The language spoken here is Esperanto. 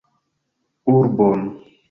Urbon.